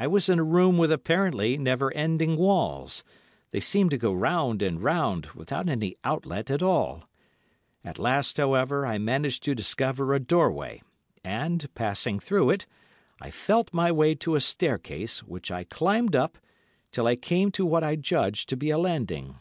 I was in a room with apparently never ending walls—they seemed to go round and round without any outlet at all. At last, however, I managed to discover a doorway, and, passing through it, I felt my way to a staircase, which I climbed up, till I came to what I judged to be a landing.